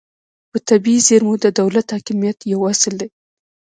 په طبیعي زیرمو د دولت حاکمیت یو اصل دی